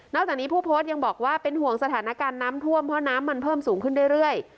จากนี้ผู้โพสต์ยังบอกว่าเป็นห่วงสถานการณ์น้ำท่วมเพราะน้ำมันเพิ่มสูงขึ้นเรื่อย